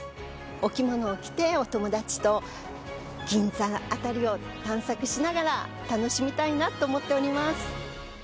お着物を着てお友達と銀座辺りを探索しながら楽しみたいなと思っております